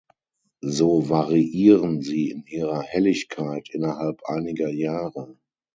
So variieren sie in ihrer Helligkeit innerhalb einiger Jahre.